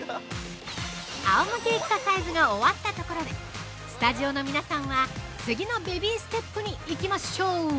あおむけエクササイズが終わったところで、スタジオの皆さんは、次のベビーステップにいきましょう。